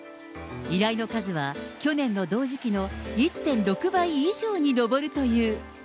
依頼の数は去年の同時期の１．６倍以上に上るという。